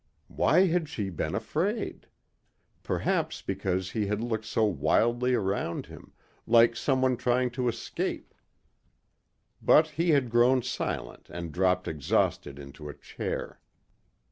Why had she been afraid? Perhaps because he had looked so wildly around him, like someone trying to escape. But he had grown silent and dropped exhausted into a chair.